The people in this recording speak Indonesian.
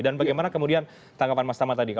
dan bagaimana kemudian tanggapan mas tama tadi